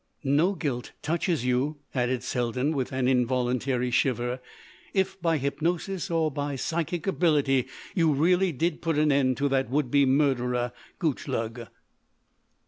"No guilt touches you," added Selden with an involuntary shiver, "if by hypnosis or psychic ability you really did put an end to that would be murderer, Gutchlug."